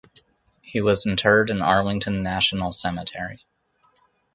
He was interred in Arlington National Cemetery.